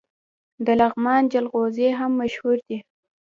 د لغمان جلغوزي هم مشهور دي.